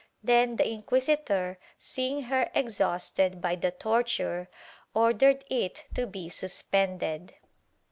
Then the inquisitor, seeing her exhausted by the torture, ordered it to be suspended.